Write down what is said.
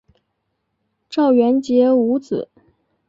赵元杰无子。